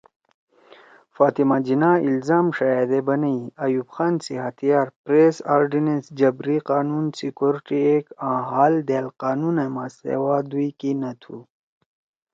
فاطمہ جناح الزام ݜَیأدے بنئی ایوب خان سی ہتھیار پریس ارڈیننس، جبری قانون، سکیورٹی ایکٹ آں ہال دأل قانونا ما سیوا دُوئی کی نہ تُھو